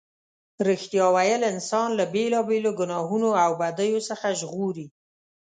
رښتیا ویل انسان له بېلا بېلو گناهونو او بدیو څخه ژغوري.